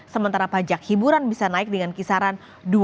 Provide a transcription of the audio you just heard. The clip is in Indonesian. sementara pajak hiburan bisa naik dengan kisaran dua puluh lima tujuh puluh lima